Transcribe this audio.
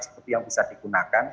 seperti yang bisa digunakan